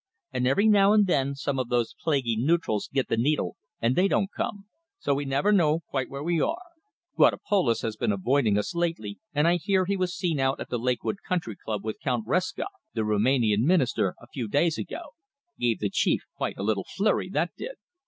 And every now and then some of those plaguey neutrals get the needle and they don't come, so we never know quite where we are, Guadopolis has been avoiding us lately, and I hear he was seen out at the Lakewood Country Club with Count Reszka, the Rumanian Minister, a few days ago. Gave the Chief quite a little flurry, that did."